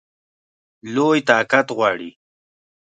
لوی طاقت غواړي.